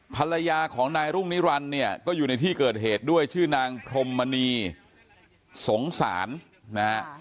ภรรยาของนายรุ่งนิรันดิ์เนี่ยก็อยู่ในที่เกิดเหตุด้วยชื่อนางพรมมณีสงสารนะฮะ